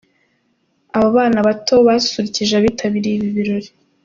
Aba bana bato basusurukije abitabiriye ibi birori.